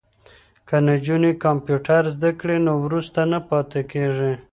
که نجونې کمپیوټر زده کړی نو وروسته نه پاتې کیږي.